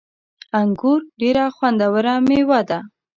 انګور ډیره خوندوره میوه ده